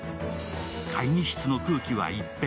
会議室の空気は一変。